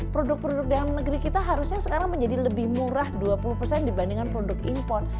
produk produk dalam negeri kita harusnya sekarang menjadi lebih murah dua puluh persen dibandingkan produk impor